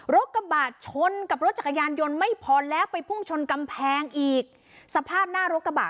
รถกระบะชนกับรถจักรยานยนต์ไม่พอแล้วไปพุ่งชนกำแพงอีกสภาพหน้ารถกระบะ